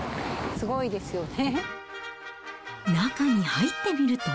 すごいですね。